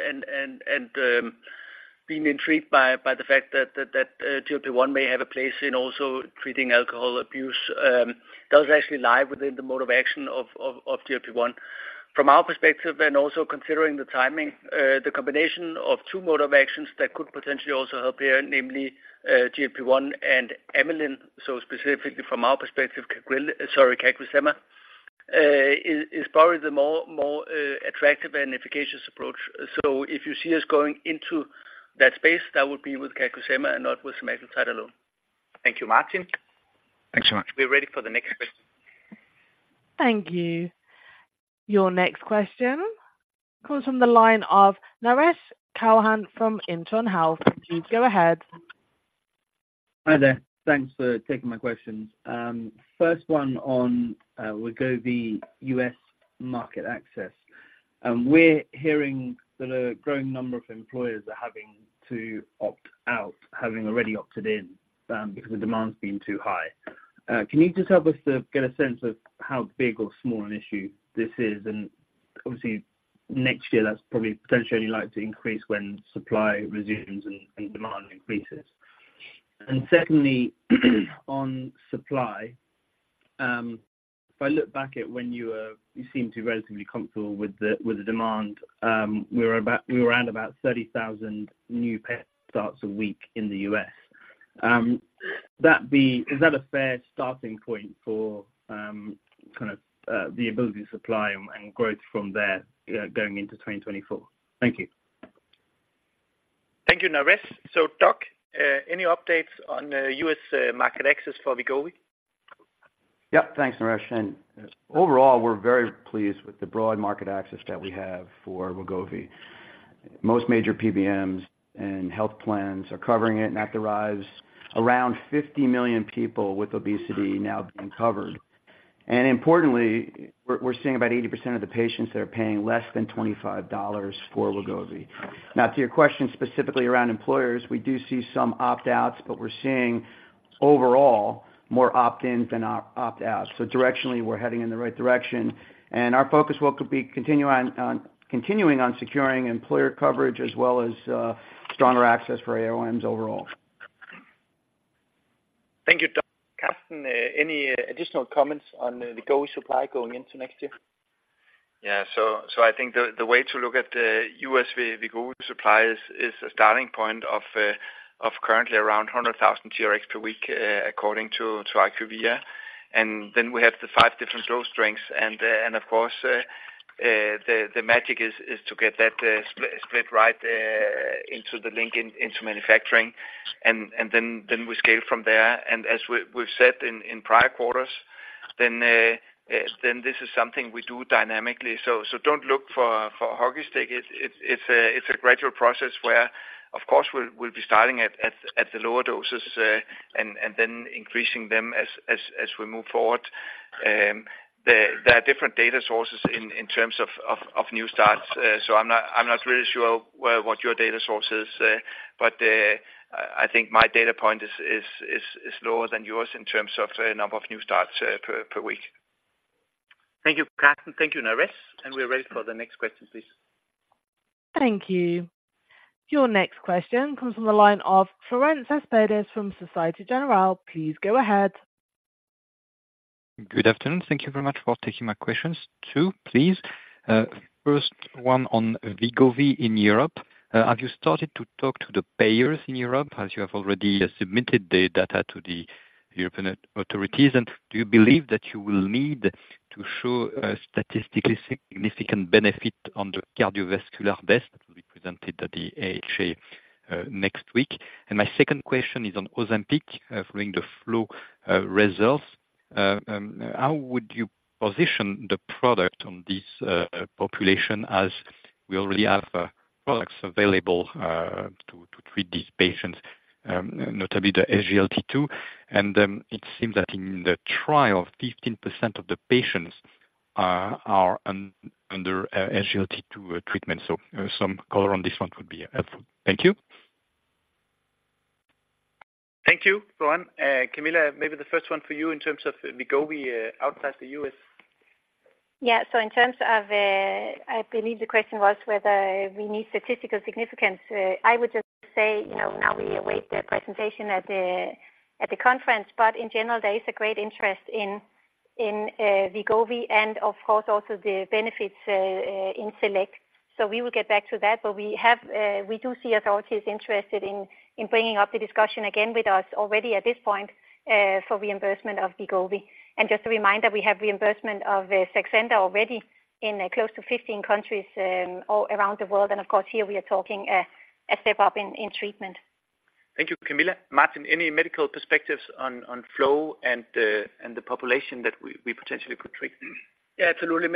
been intrigued by the fact that GLP-1 may have a place in also treating alcohol abuse. Does actually lie within the mode of action of GLP-1. From our perspective and also considering the timing, the combination of two mode of actions that could potentially also help here, namely, GLP-1 and amylin, so specifically from our perspective, sorry, CagriSema is probably the more attractive and efficacious approach. So if you see us going into that space, that would be with CagriSema and not with semaglutide alone. Thank you, Martin. Thanks so much. We're ready for the next question. Thank you. Your next question comes from the line of Naresh Chouhan from Intron Health. Please go ahead. Hi there. Thanks for taking my questions. First one on Wegovy U.S. market access. We're hearing that a growing number of employers are having to opt out, having already opted in, because the demand's been too high. Can you just help us to get a sense of how big or small an issue this is? And obviously, next year, that's probably potentially likely to increase when supply resumes and demand increases. And secondly, on supply, if I look back at when you seem to be relatively comfortable with the demand, we were around about 30,000 new patient starts a week in the U.S. Would that be—is that a fair starting point for, kind of, the ability to supply and growth from there, going into 2024? Thank you. Thank you, Naresh. So, Doug, any updates on U.S. market access for Wegovy? Yeah. Thanks, Naresh, and overall, we're very pleased with the broad market access that we have for Wegovy. Most major PBMs and health plans are covering it, and that derives around 50 million people with obesity now being covered. And importantly, we're, we're seeing about 80% of the patients that are paying less than $25 for Wegovy. Now, to your question, specifically around employers, we do see some opt-outs, but we're seeing overall more opt-ins than opt-outs. So directionally, we're heading in the right direction, and our focus will be continue on, on continuing on securing employer coverage as well as stronger access for AOMs overall. Thank you, Doug. Karsten, any additional comments on the GLP-1 supply going into next year? Yeah, so I think the way to look at the U.S. Wegovy supply is a starting point of currently around 100,000 TRx per week, according to IQVIA, and then we have the five different dose strengths, and of course, the magic is to get that split right into the link in into manufacturing, and then we scale from there. And as we've said in prior quarters, then this is something we do dynamically. So don't look for a hockey stick. It's a gradual process where, of course, we'll be starting at the lower doses, and then increasing them as we move forward. There are different data sources in terms of new starts. So I'm not really sure what your data source is, but I think my data point is lower than yours in terms of the number of new starts per week. Thank you, Karsten. Thank you, Naresh, and we're ready for the next question, please. Thank you. Your next question comes from the line of Florent Cespedes from Société Générale. Please go ahead. Good afternoon. Thank you very much for taking my questions, too, please. First one on Wegovy in Europe. Have you started to talk to the payers in Europe, as you have already submitted the data to the European authorities? And do you believe that you will need to show a statistically significant benefit on the cardiovascular death that will be presented at the AHA, next week? And my second question is on Ozempic, following the FLOW, results. How would you position the product on this, population, as we already have, products available, to treat these patients, notably the SGLT2? And, it seems that in the trial, 15% of the patients are under SGLT2 treatment, so, some color on this one would be helpful. Thank you. Thank you, Lauren. Camilla, maybe the first one for you in terms of Wegovy, outside the U.S. Yeah. So in terms of, I believe the question was whether we need statistical significance, I would just say, you know, now we await the presentation at the, at the conference. But in general, there is a great interest in, in, Wegovy and of course, also the benefits, in SELECT. So we will get back to that, but we have, we do see authorities interested in, in bringing up the discussion again with us already at this point, for reimbursement of Wegovy. And just a reminder, we have reimbursement of, Saxenda already in, close to 15 countries, all around the world, and of course, here we are talking, a step up in, in treatment. Thank you, Camilla. Martin, any medical perspectives on FLOW and the population that we potentially could treat? Yeah, absolutely.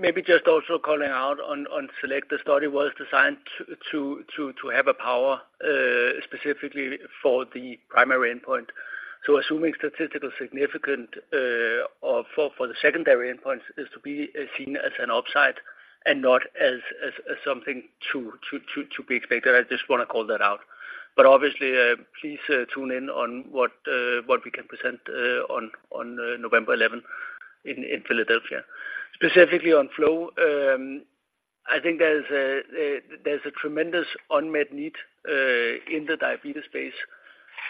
Maybe just also calling out on SELECT, the study was designed to have a power specifically for the primary endpoint. So assuming statistical significant, or for the secondary endpoints is to be seen as an upside and not as something to be expected. I just wanna call that out. But obviously, please tune in on what we can present on November 11th in Philadelphia. Specifically on FLOW, I think there's a tremendous unmet need in the diabetes space.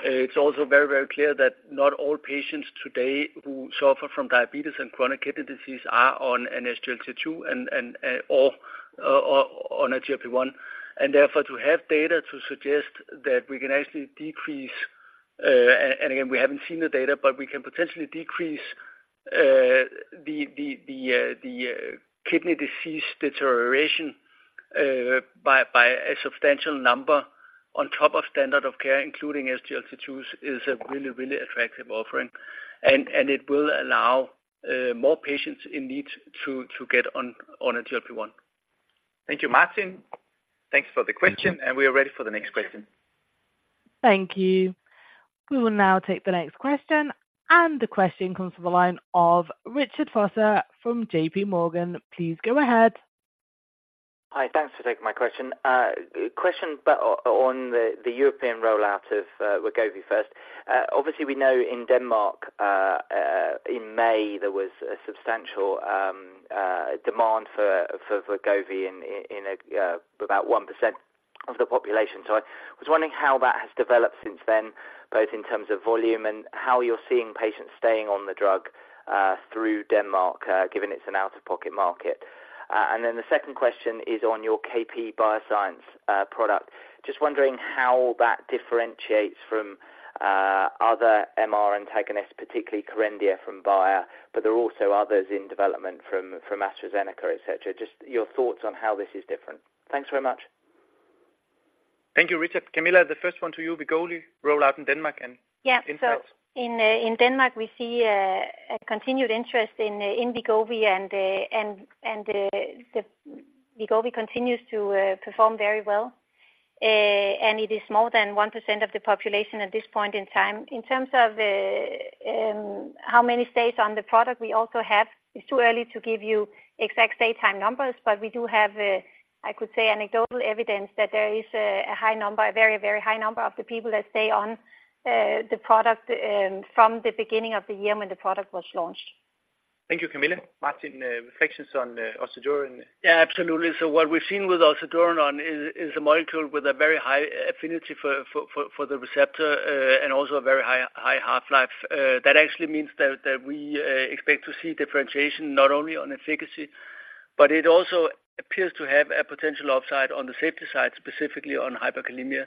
It's also very, very clear that not all patients today who suffer from diabetes and chronic kidney disease are on an SGLT2 and or on a GLP-1. And therefore, to have data to suggest that we can actually decrease, and again, we haven't seen the data, but we can potentially decrease the kidney disease deterioration by a substantial number on top of standard of care, including SGLT2, is a really, really attractive offering. And it will allow more patients in need to get on a GLP-1. Thank you, Martin. Thanks for the question- Thank you. We are ready for the next question. Thank you. We will now take the next question, and the question comes from the line of Richard Vosser from JPMorgan. Please go ahead. Hi. Thanks for taking my question. Question about on the European rollout of Wegovy first. Obviously, we know in Denmark, in May, there was a substantial demand for Wegovy in about 1% of the population. So I was wondering how that has developed since then, both in terms of volume and how you're seeing patients staying on the drug through Denmark, given it's an out-of-pocket market. And then the second question is on your KBP Biosciences product. Just wondering how that differentiates from other MR antagonists, particularly Kerendia from Bayer, but there are also others in development from AstraZeneca, et cetera. Just your thoughts on how this is different. Thanks very much. Thank you, Richard. Camilla, the first one to you, Wegovy, roll out in Denmark and- Yeah. So in Denmark, we see a continued interest in Wegovy and the Wegovy continues to perform very well. And it is more than 1% of the population at this point in time. In terms of how many stays on the product, we also have. It's too early to give you exact stay time numbers, but we do have, I could say, anecdotal evidence that there is a high number, a very, very high number of the people that stay on the product from the beginning of the year when the product was launched. Thank you, Camilla. Martin, reflections on ocedurenone? Yeah, absolutely. So what we've seen with ocedurenone is a molecule with a very high affinity for the receptor, and also a very high half-life. That actually means that we expect to see differentiation not only on efficacy, but it also appears to have a potential upside on the safety side, specifically on hyperkalemia.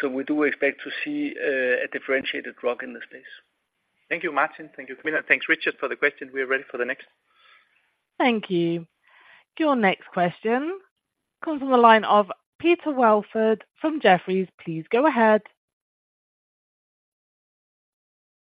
So we do expect to see a differentiated drug in this space. Thank you, Martin. Thank you, Camilla. Thanks, Richard, for the question. We are ready for the next. Thank you. Your next question comes from the line of Peter Welford from Jefferies. Please go ahead.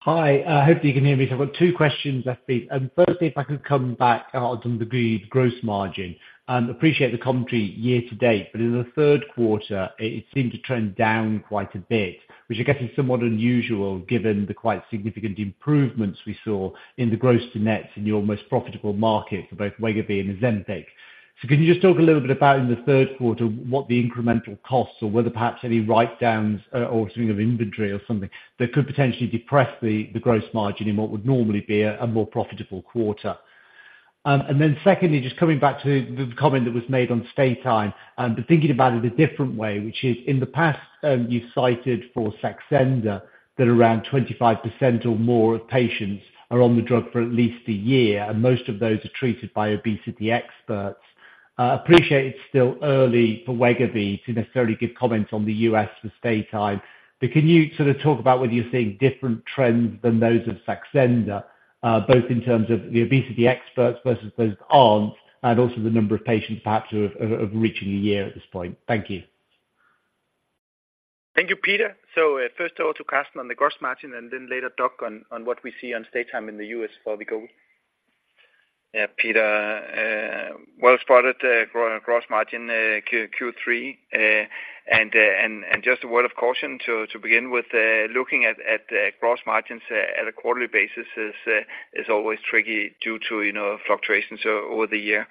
Hi, hope you can hear me. So I've got two questions left, please. Firstly, if I could come back on the agreed gross margin. Appreciate the commentary year-to-date, but in the third quarter, it seemed to trend down quite a bit, which I guess is somewhat unusual, given the quite significant improvements we saw in the Gross-to-Net in your most profitable markets for both Wegovy and Ozempic. So can you just talk a little bit about, in the third quarter, what the incremental costs or whether perhaps any write-downs, or something of inventory or something that could potentially depress the gross margin in what would normally be a more profitable quarter? And then secondly, just coming back to the comment that was made on stay time, but thinking about it a different way, which is, in the past, you've cited for Saxenda, that around 25% or more of patients are on the drug for at least a year, and most of those are treated by obesity experts. Appreciate it's still early for Wegovy to necessarily give comments on the U.S. for stay time, but can you sort of talk about whether you're seeing different trends than those of Saxenda, both in terms of the obesity experts versus those that aren't, and also the number of patients perhaps who have reached a year at this point? Thank you. Thank you, Peter. First of all, to Karsten on the gross margin, and then later, Doug, on what we see on stay time in the U.S. for Wegovy. Yeah, Peter, well spotted, gross margin, Q3, and just a word of caution to begin with, looking at gross margins at a quarterly basis is always tricky due to, you know, fluctuations over the year.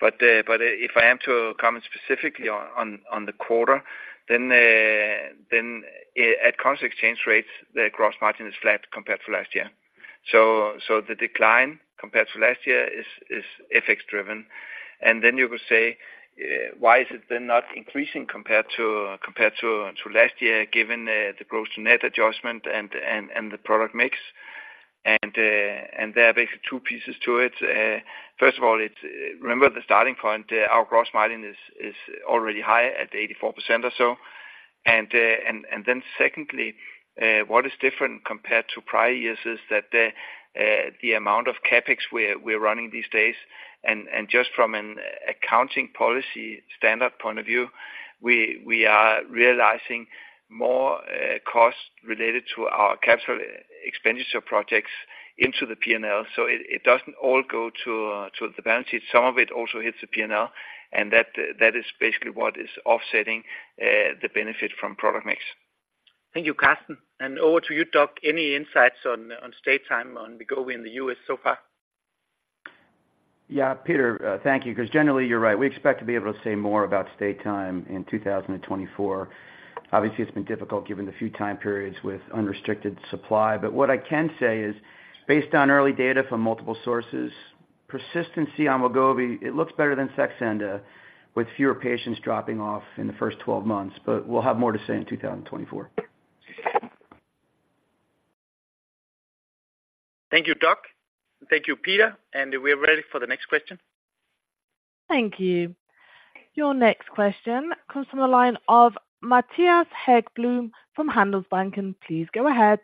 But if I am to comment specifically on the quarter, then at constant exchange rates, the gross margin is flat compared to last year. So the decline compared to last year is FX driven. And then you could say, why is it they're not increasing compared to last year, given the gross-to-net adjustment and the product mix? And there are basically two pieces to it. First of all, it's... Remember the starting point, our gross margin is already high at 84% or so. And then secondly, what is different compared to prior years is that the amount of CapEx we're running these days, and just from an accounting policy standard point of view, we are realizing more costs related to our capital expenditure projects into the P&L. So it doesn't all go to the balance sheet. Some of it also hits the P&L, and that is basically what is offsetting the benefit from product mix. Thank you, Karsten. Over to you, Doug, any insights on stay time on Wegovy in the U.S. so far? Yeah, Peter, thank you, because generally you're right. We expect to be able to say more about stay time in 2024. Obviously, it's been difficult given the few time periods with unrestricted supply, but what I can say is, based on early data from multiple sources, persistency on Wegovy, it looks better than Saxenda, with fewer patients dropping off in the first 12 months, but we'll have more to say in 2024. Thank you, Doug. Thank you, Peter. We are ready for the next question. Thank you. Your next question comes from the line of Matthias Häggblom from Handelsbanken. Please go ahead.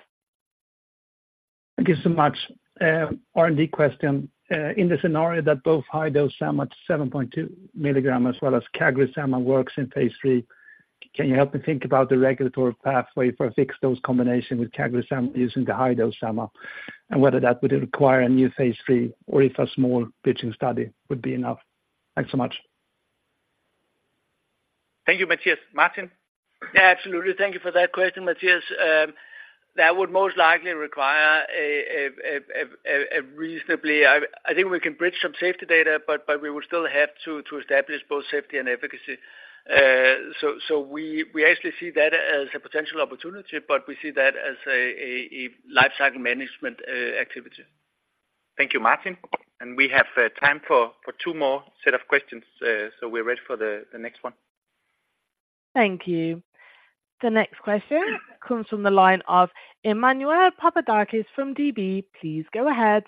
Thank you so much. R&D question. In the scenario that both high-dose semaglutide, 7.2 mg, as well as CagriSema works in phase III, can you help me think about the regulatory pathway for a fixed dose combination with CagriSema using the high-dose sema, and whether that would require a new phase III or if a small bridging study would be enough? Thanks so much. Thank you, Matthias. Martin? Yeah, absolutely. Thank you for that question, Matthias. That would most likely require a reasonably... I think we can bridge some safety data, but we would still have to establish both safety and efficacy. So we actually see that as a potential opportunity, but we see that as a lifecycle management activity. Thank you, Martin. And we have time for two more set of questions, so we're ready for the next one. Thank you. The next question comes from the line of Emmanuel Papadakis from Deutsche Bank. Please go ahead....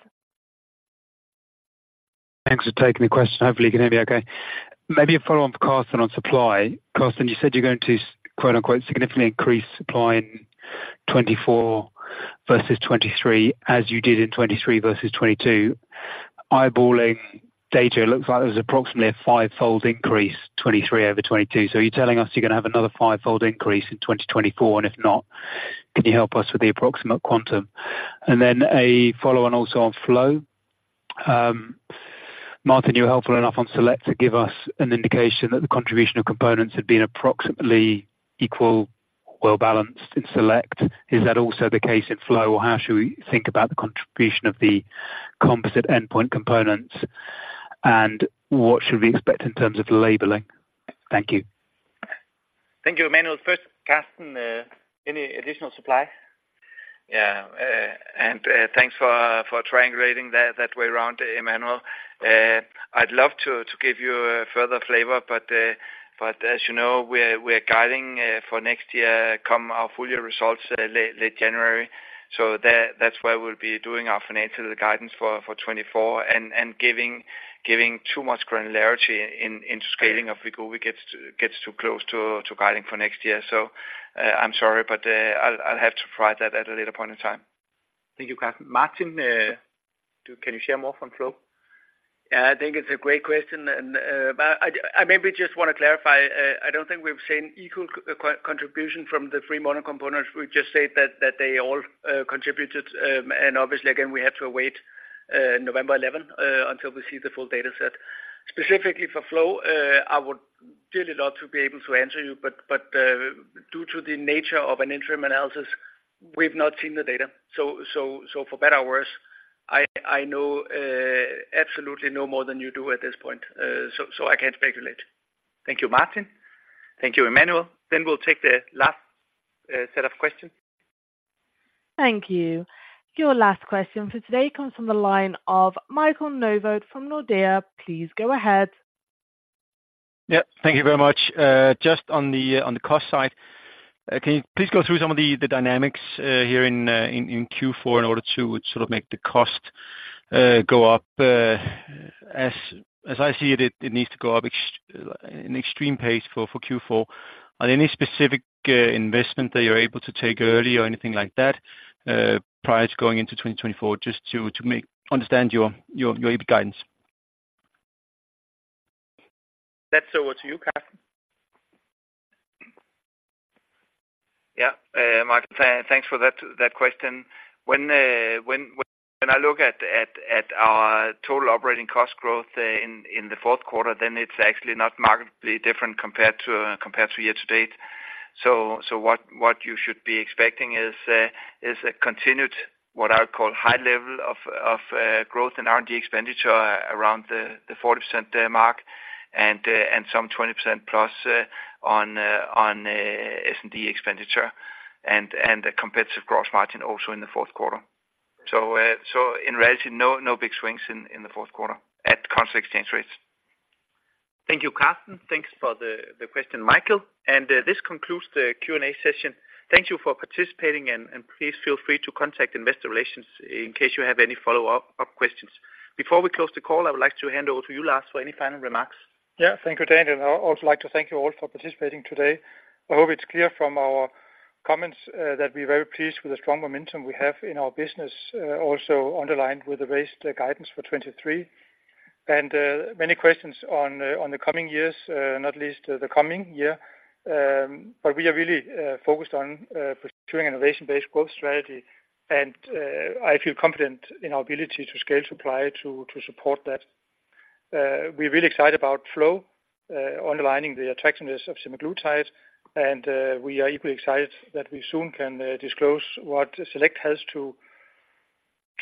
Thanks for taking the question. Hopefully, you can hear me okay. Maybe a follow-up for Karsten on supply. Karsten, you said you're going to quote, unquote, "significantly increase supply in 2024 versus 2023, as you did in 2023 versus 2022." Eyeballing data, it looks like there was approximately a fivefold increase, 2023 over 2022. So are you telling us you're going to have another fivefold increase in 2024? And if not, can you help us with the approximate quantum? And then a follow-on also on FLOW. Martin, you were helpful enough on SELECT to give us an indication that the contribution of components had been approximately equal, well-balanced in SELECT. Is that also the case in FLOW, or how should we think about the contribution of the composite endpoint components, and what should we expect in terms of labeling? Thank you. Thank you, Emmanuel. First, Karsten, any additional supply? Yeah, and thanks for triangulating that way around, Emmanuel. I'd love to give you a further flavor, but as you know, we're guiding for next year, come our full year results late January. So that's why we'll be doing our financial guidance for 2024 and giving too much granularity in scaling of Wegovy gets too close to guiding for next year. So, I'm sorry, but I'll have to provide that at a later point in time. Thank you, Karsten. Martin, can you share more from FLOW? Yeah, I think it's a great question, and, but I maybe just want to clarify. I don't think we've seen equal co-contribution from the three mono components. We've just said that, that they all contributed, and obviously, again, we have to wait, November eleven, until we see the full data set. Specifically for FLOW, I would really love to be able to answer you, but, due to the nature of an interim analysis, we've not seen the data. So, for better or worse, I know absolutely no more than you do at this point, so I can't speculate. Thank you, Martin. Thank you, Emmanuel. Then we'll take the last set of questions. Thank you. Your last question for today comes from the line of Michael Novod from Nordea. Please go ahead. Yeah, thank you very much. Just on the cost side, can you please go through some of the dynamics here in Q4 in order to sort of make the cost go up? As I see it, it needs to go up at an extreme pace for Q4. Are there any specific investment that you're able to take early or anything like that prior to going into 2024, just to make understand your EBIT guidance? That's over to you, Karsten. Yeah, Michael, thanks for that question. When I look at our total operating cost growth in the fourth quarter, then it's actually not markedly different compared to year-to-date. So what you should be expecting is a continued, what I would call, high level of growth in RD expenditure around the 40% mark, and some 20%+ on S&D expenditure and a competitive gross margin also in the fourth quarter. So in reality, no big swings in the fourth quarter at constant exchange rates. Thank you, Karsten. Thanks for the question, Michael. This concludes the Q&A session. Thank you for participating, and please feel free to contact Investor Relations in case you have any follow-up questions. Before we close the call, I would like to hand over to you, Lars, for any final remarks. Yeah, thank you, Daniel. I'd also like to thank you all for participating today. I hope it's clear from our comments that we're very pleased with the strong momentum we have in our business, also underlined with the raised guidance for 2023. And many questions on the coming years, not least the coming year, but we are really focused on pursuing innovation-based growth strategy, and I feel confident in our ability to scale supply to support that. We're really excited about FLOW, underlining the attractiveness of semaglutide, and we are equally excited that we soon can disclose what SELECT has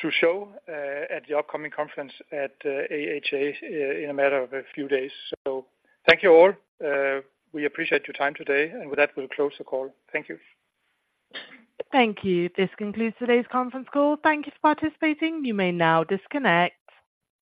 to show at the upcoming conference at AHA in a matter of a few days. So thank you all. We appreciate your time today, and with that, we'll close the call. Thank you. Thank you. This concludes today's conference call. Thank you for participating. You may now disconnect.